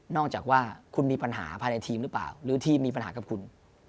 จากว่าคุณมีปัญหาภายในทีมหรือเปล่าหรือทีมมีปัญหากับคุณ